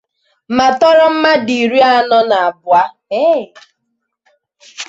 ma tọrọ mmadụ iri anọ na abụọ